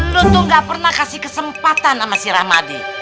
lu tuh nggak pernah kasih kesempatan sama si rahmadi